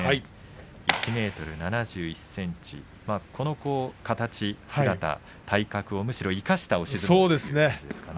１ｍ７１ｃｍこの形、姿、体格をむしろ生かした押し相撲ですかね。